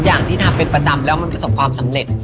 อย่างที่ทำเป็นประจำแล้วมันประสบความสำเร็จ